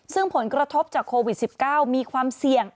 ซึ่งผลกระทบจากโควิด๑๙มีความเสี่ยง